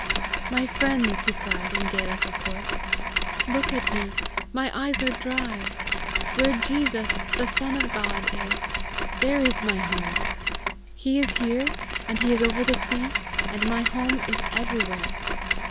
"My friends," he cried, in Gaelic of course, "look at me: my eyes are dry! Where Jesus, the Son of God, is there is my home! He is here, and he is over the sea, and my home is everywhere!